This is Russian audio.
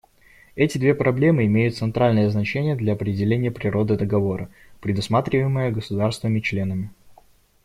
Эти две проблемы имеют центральное значение для определения природы договора, предусматриваемого государствами-членами.